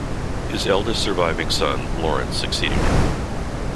His eldest surviving son Lawrence succeeded him.